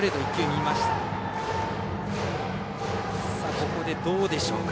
ここで、どうでしょうか。